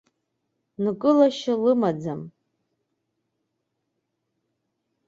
Нкылашьа лымаӡам.